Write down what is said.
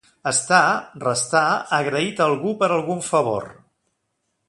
Estar, restar, agraït a algú per algun favor.